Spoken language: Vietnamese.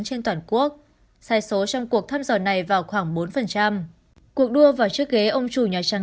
trên toàn quốc sai số trong cuộc thăm dò này vào khoảng bốn cuộc đua vào chiếc ghế ông chủ nhà trắng